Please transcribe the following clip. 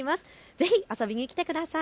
ぜひ遊びに来てください。